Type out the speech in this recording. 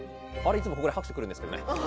いつもここで拍手が来るんですけどね。